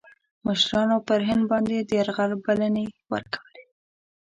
مشـرانو پر هند باندي د یرغل بلني ورکولې.